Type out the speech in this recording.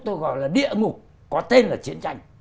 tôi gọi là địa ngục có tên là chiến tranh